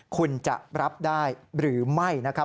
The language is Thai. คุณจะรับได้หรือไม่นะครับ